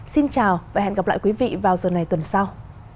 xin chào và hẹn gặp lại quý vị vào giờ này tuần sau